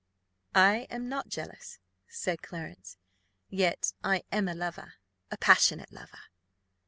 "I am not jealous," said Clarence, "yet I am a lover a passionate lover."